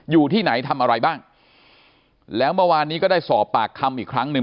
อยู่ที่ไหนทำอะไรบ้างแล้วเมื่อวานนี้ก็ได้สอบปากคำอีกครั้งหนึ่ง